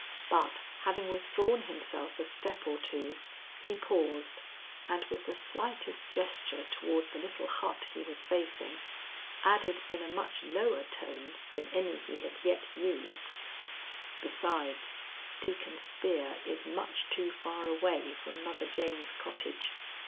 But, having withdrawn himself a step or two, he paused and with the slightest gesture toward the little hut he was facing, added in a much lower tone than any he had yet used: "Besides, Deacon Spear is much too far away from Mother Jane's cottage.